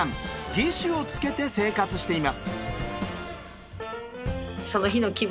義手をつけて生活しています。